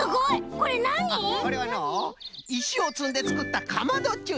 これはのういしをつんでつくったかまどっちゅうんじゃよ。